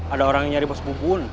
ada orang yang nyari bosmu pun